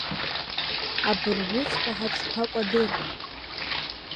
Абыржәыҵәҟьа ҳаҽқәа кәадыр!